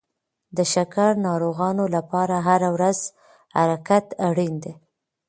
د شکر ناروغانو لپاره هره ورځ حرکت اړین دی.